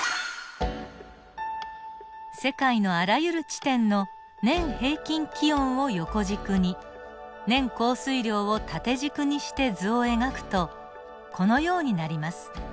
世界のあらゆる地点の年平均気温を横軸に年降水量を縦軸にして図を描くとこのようになります。